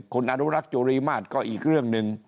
คุณอนุรักษ์จุรีมาตรก็อีกเรื่องหนึ่ง